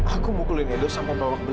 aku mukulin edo sampai bawak belur